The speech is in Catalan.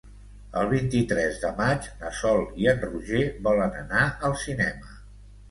El vint-i-tres de maig na Sol i en Roger volen anar al cinema.